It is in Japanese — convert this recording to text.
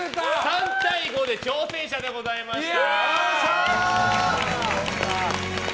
３対５で挑戦者でございました！